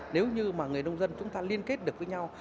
nếu như mà người nông dân chúng ta liên kết được với nhau